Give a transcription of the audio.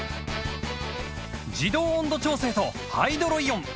自動温度調整とハイドロイオン